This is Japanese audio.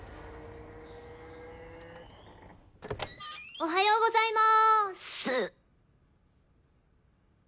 おはようございます！